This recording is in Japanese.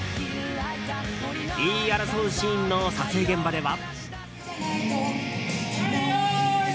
言い争うシーンの撮影現場では。